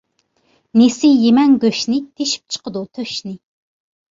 نېسى يېمەڭ گۆشنى، تېشىپ چىقىدۇ تۆشنى.